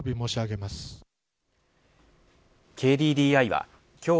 ＫＤＤＩは今日